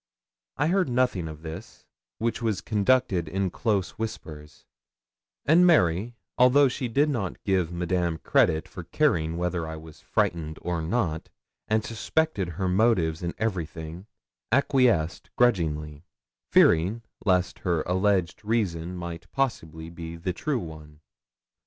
I heard nothing of this, which was conducted in close whispers; and Mary, although she did not give Madame credit for caring whether I was frightened or not, and suspected her motives in everything, acquiesced grudgingly, fearing lest her alleged reason might possibly be the true one.